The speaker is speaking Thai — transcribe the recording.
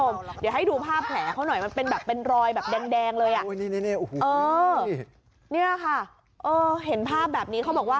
ไม่ได้เป็นห่านไหว้เจ้านะ